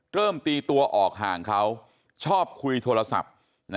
เริ่มตีตัวออกห่างเขาชอบคุยโทรศัพท์